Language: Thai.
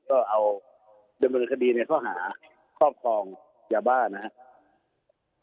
ก็เอาดำเนินคดีในข้อหาครอบครองยาบ้านะครับ